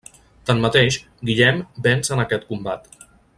Tanmateix Guillem venç en aquest combat.